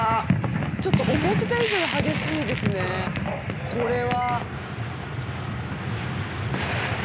ちょっと思ってた以上に激しいですねこれは。